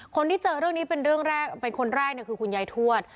คนที่เจอเรื่องนี้เป็นคนแรกคือคุณยายทวด